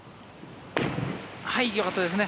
よかったですね。